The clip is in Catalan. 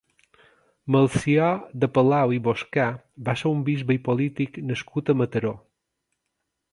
Melcior de Palau i Boscà va ser un bisbe i polític nascut a Mataró.